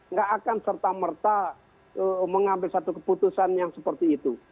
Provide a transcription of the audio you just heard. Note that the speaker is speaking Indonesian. nggak akan serta merta mengambil satu keputusan yang seperti itu